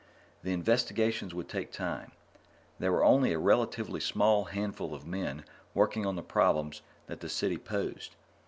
The investigations would take time. There were only a relatively small handful of men working on the problems that the City posed.